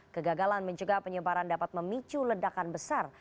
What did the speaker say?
kegagalan mencegah penyebaran dapat memicu ledakan besar